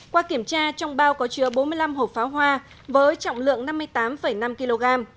qua kiểm tra trong bao có chứa bốn mươi năm hộp pháo hoa với trọng lượng năm mươi tám năm kg